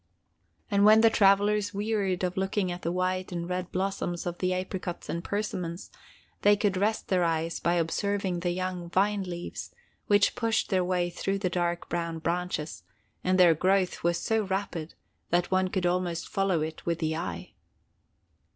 And when the travelers wearied of looking at the white and red blossoms of the apricots and persimmons, they could rest their eyes by observing the young vine leaves, which pushed their way through the dark brown branches, and their growth was so rapid that one could almost follow it with the eye.